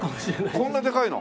こんなでかいの？